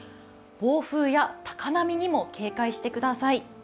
暴風や高波にも警戒してください。